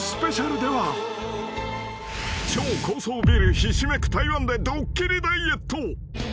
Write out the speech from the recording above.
［超高層ビルひしめく台湾でドッキリダイエット］